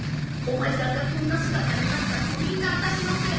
お前さんがこんな姿になったのもみんな私のせい。